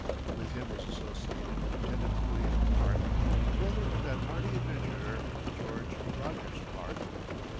With him was associated Lieutenant William Clark, a brother of that hardy adventurer, George Rogers Clark.